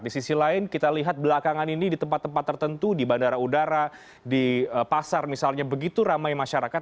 di sisi lain kita lihat belakangan ini di tempat tempat tertentu di bandara udara di pasar misalnya begitu ramai masyarakat